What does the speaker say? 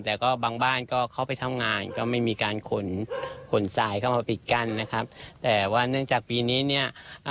แต่ก็บางบ้านก็เข้าไปทำงานก็ไม่มีการขนขนทรายเข้ามาปิดกั้นนะครับแต่ว่าเนื่องจากปีนี้เนี่ย